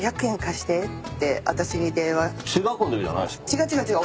違う違う違う。